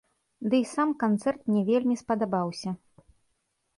Дый сам канцэрт мне вельмі спадабаўся.